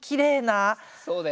そうだよね。